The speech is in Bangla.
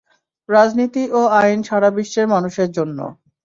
রাজনীতি ও আইন সারা বিশ্বের মানুষের জন্য।